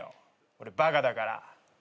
俺バカだから。